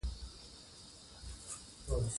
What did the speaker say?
دریم مبحث : د اسلام د سیاسی نظام ځانګړتیاوی